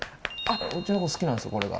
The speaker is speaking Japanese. うちの子好きなんですこれが。